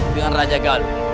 dengan raja galau